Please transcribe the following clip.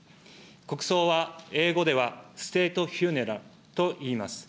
国葬は英語では、ステートフューネラルといいます。